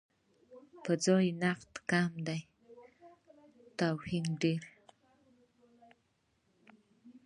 پرځای نقد کم دی، توهین ډېر دی.